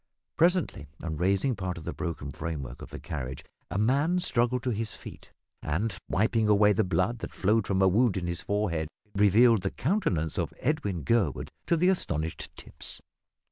Presently on raising part of the broken framework of the carriage a man struggled to his feet and, wiping away the blood that flowed from a wound in his forehead, revealed the countenance of Edwin Gurwood to the astonished Tipps.